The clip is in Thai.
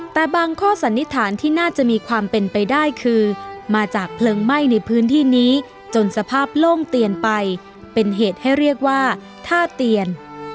แต่บางข้อสันนิษฐานที่น่าจะมีความเป็นไปได้คือมาจากเพลิงไหม้ในพื้นที่นี้จนสภาพโล่งเตียนไปเป็นเหตุให้เรียกว่าท่าเตียน